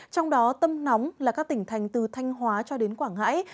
trong đó tâm nóng là các tỉnh thành từ thanh hóa cho đến quảng ngãi